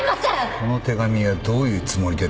この手紙はどういうつもりで出した？